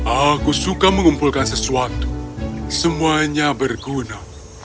aku suka mengumpulkan sesuatu semuanya berguna